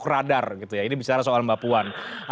radar gitu ya ini bicara soal mbak puan